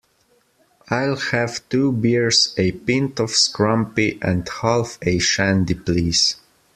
I'll have two beers, a pint of scrumpy and half a shandy please